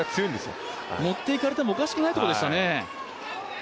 持っていかれてもおかしくないところでしたね。